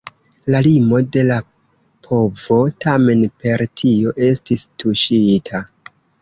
La limo de la povo tamen per tio estis tuŝita.